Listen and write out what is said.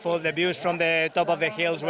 wajah dari atas lantai sangat luar biasa